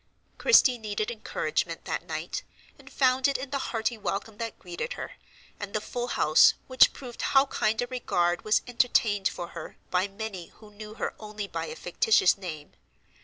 Christie needed encouragement that night, and found it in the hearty welcome that greeted her, and the full house, which proved how kind a regard was entertained for her by many who knew her only by a fictitious name.